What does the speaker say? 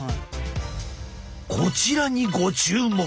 こちらにご注目！